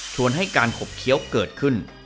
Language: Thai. ให้การขบเคี้ยวเกิดขึ้น